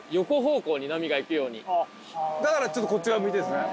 だからちょっとこっち側向いてんすね。